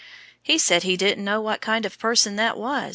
He said he didn't know what kind of person that was.